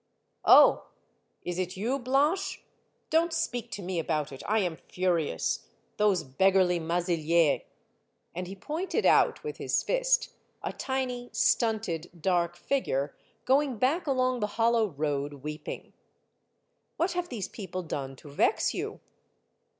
"Oh! is it you, Blanche? Don't speak to me about it. I am furious. Those beggarly Maziliers !" And he pointed out with his fist a tiny, stunted, dark figure, going back along the hollow road, weeping. '* What have these people done to vex you